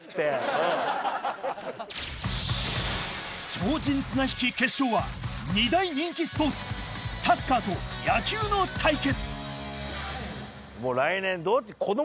超人綱引き決勝は二大人気スポーツサッカーと野球の対決